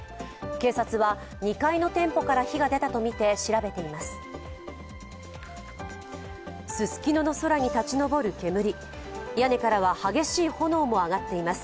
警察は２階の店舗から火が出たとみて調べています。